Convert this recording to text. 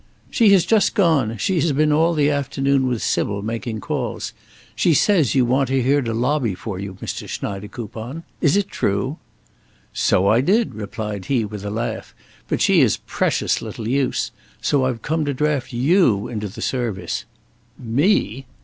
"She has just gone. She has been all the afternoon with Sybil, making calls. She says you want her here to lobby for you, Mr. Schneidekoupon. Is it true?" "So I did," replied he, with a laugh, "but she is precious little use. So I've come to draft you into the service." "Me!"